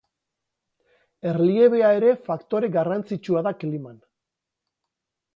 Erliebea ere faktore garrantzitsua da kliman.